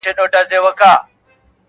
• هم په غره هم په ځنګله کي وو ښاغلی -